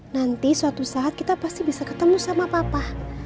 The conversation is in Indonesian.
nanti suatu saat kita pasti bisa ketemu sama papa